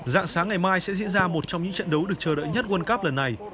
dạng sáng ngày mai sẽ diễn ra một trong những trận đấu được chờ đợi nhất world cup lần này